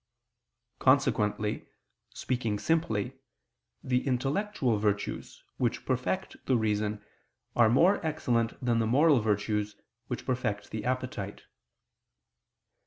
Consequently, speaking simply, the intellectual virtues, which perfect the reason, are more excellent than the moral virtues, which perfect the appetite.